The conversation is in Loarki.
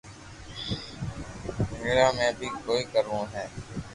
بارا ۾ بي ڪوئي ڪروو ھي